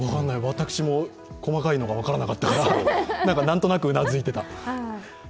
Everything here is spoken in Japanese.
私も細かいのが分からなかったから、なんとなくうなずいてた。